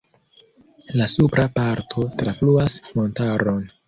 La supra parto trafluas montaron.